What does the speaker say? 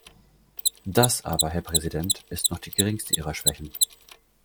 Das aber, Herr Präsident, ist noch die geringste ihrer Schwächen!